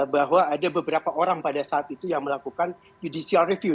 bahwa ada beberapa orang pada saat itu yang melakukan judicial review